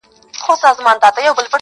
د ملګري یې سلا خوښه سوه ډېره؛